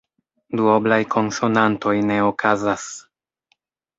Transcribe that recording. Duoblaj konsonantoj ne okazas.